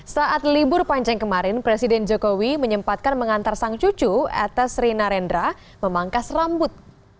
saat libur panjang kemarin presiden jokowi menyempatkan mengantar sang cucu etes rina rendra memangkas rambut